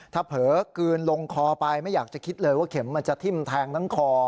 ถ้าเผลอกลืนลงคอไปไม่อยากจะคิดเลยว่าเข็มมันจะทิ้มแทงทั้งคอ